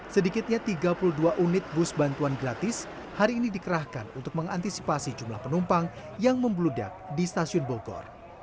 sedikitnya tiga puluh dua unit bus bantuan gratis hari ini dikerahkan untuk mengantisipasi jumlah penumpang yang membludak di stasiun bogor